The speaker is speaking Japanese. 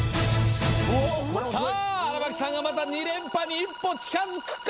さあ荒牧さんがまた２連覇に一歩近づくか！？